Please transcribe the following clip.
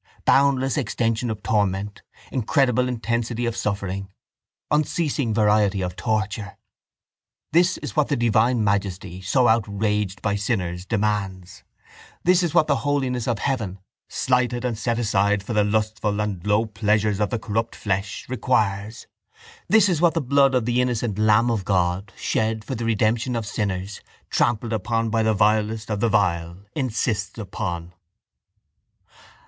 Boundless extension of torment, incredible intensity of suffering, unceasing variety of torture—this is what the divine majesty, so outraged by sinners, demands; this is what the holiness of heaven, slighted and set aside for the lustful and low pleasures of the corrupt flesh, requires; this is what the blood of the innocent Lamb of God, shed for the redemption of sinners, trampled upon by the vilest of the vile, insists upon.